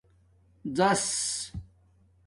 -زس